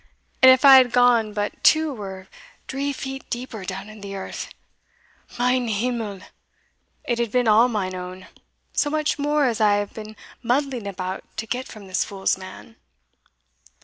And if I had gone but two or dree feet deeper down in the earth mein himmel! it had been all mine own so much more as I have been muddling about to get from this fool's man."